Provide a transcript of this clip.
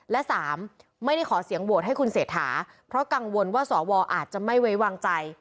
และสามไม่ได้ขอเสียงโหวตให้คุณเศรษฐาเพราะกังวลว่าสวอาจจะไม่ไว้วางใจ